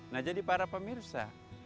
nah jadi para pemirsa